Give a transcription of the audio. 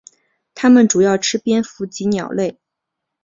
它们主要吃蝙蝠及鸟类。